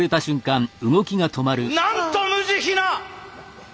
なんと無慈悲な。